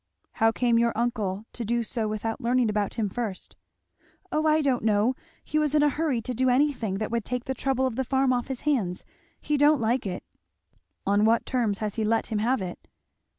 "How came your uncle to do so without learning about him first?" "O I don't know! he was in a hurry to do anything that would take the trouble of the farm off his hands, he don't like it." "On what terms has he let him have it?"